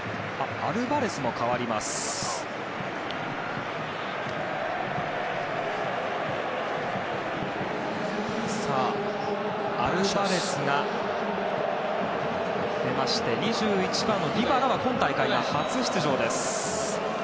アルバレスが出まして２１番のディバラは今大会が初出場です。